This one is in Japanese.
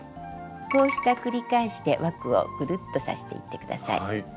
こうした繰り返しで枠をぐるっと刺していって下さい。